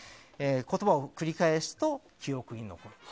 言葉を繰り返すと記憶に残る。